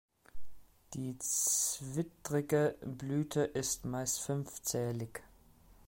Die zwittrige Blüte ist meist fünfzählig.